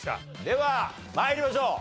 では参りましょう。